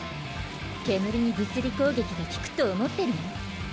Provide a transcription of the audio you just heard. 煙に物理攻撃が効くと思ってるの？